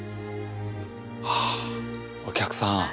あお客さん。